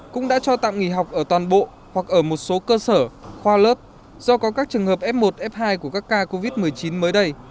cũng đã cho tạm nghỉ học ở toàn bộ hoặc ở một số cơ sở khoa lớp do có các trường hợp f một f hai của các ca covid một mươi chín mới đây